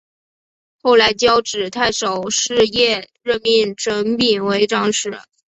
后来交趾太守士燮任命程秉为长史。